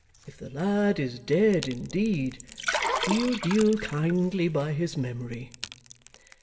If the lad is dead indeed, we'll deal kindly by his memory.